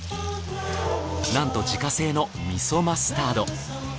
なんと自家製の味噌マスタード。